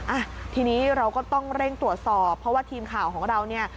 อ่ะทีนี้เราก็ต้องเร่งตรวจสอบเพราะว่าทีมข่าวของเราเนี่ย